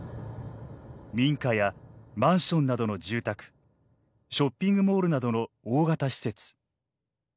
民家やマンションなどの住宅ショッピングモールなどの大型施設。